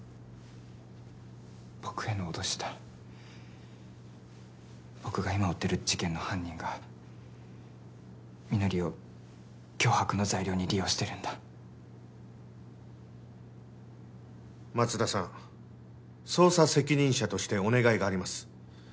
僕への脅しだ僕が今追ってる事件の犯人が美乃里を脅迫の材料に利用してるんだ松田さん捜査責任者としてお願いがあります